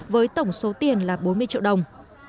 với tổng số tiền là bốn mươi triệu đồng